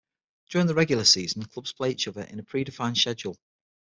During the regular season, clubs play each other in a predefined schedule.